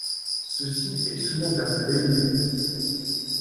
Ceci est souvent appelé l'.